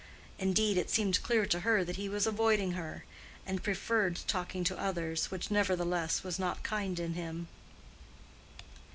Indeed it seemed clear to her that he was avoiding her, and preferred talking to others—which nevertheless was not kind in him.